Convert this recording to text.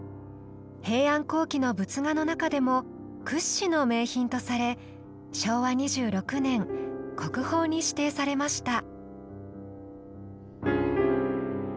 平安後期の仏画の中でも屈指の名品とされ昭和２６年国宝に指定されました。